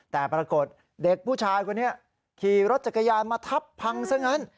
แต่ปรากฏเด็กผู้ชายคนนี้ขี่รถจักรยานมาทับพังซะงั้น